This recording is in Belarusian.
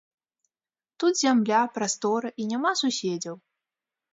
Тут зямля, прастора і няма суседзяў.